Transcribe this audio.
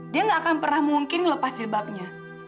dia gak akan pernah mungkin lepas jilbabnya